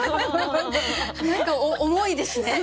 何か重いですね。